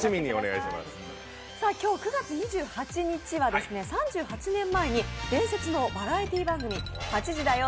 今日９月２８日は３８年前に伝説のバラエティー番組「８時だョ！